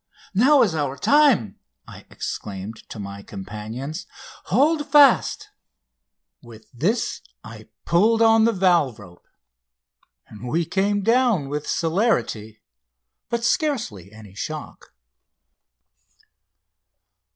"Now is our time!" I exclaimed to my companions. "Hold fast!" With this I pulled on the valve rope, and we came down with celerity but scarcely any shock.